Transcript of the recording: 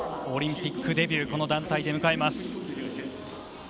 オリンピックデビューをこの団体で迎えます。